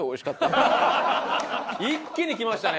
一気にきましたね。